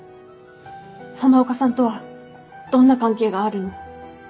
浜岡さんとはどんな関係があるの？